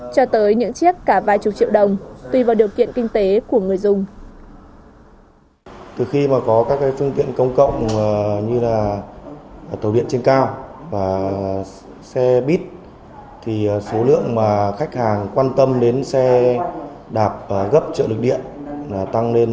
cho tới những chiếc cả vài chục triệu đồng tùy vào điều kiện kinh tế của người dùng